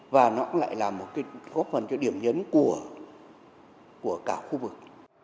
và nó cũng lại là một cái góp phần cho điểm nhấn của cả khu vực